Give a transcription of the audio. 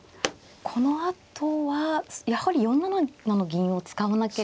このあとはやはり４七の銀を使わなければ。